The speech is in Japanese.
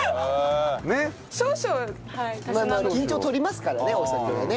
緊張取りますからねお酒はね。